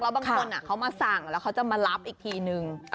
บางคนเขามาสั่งแล้วเขาจะมารับอีกทีนึง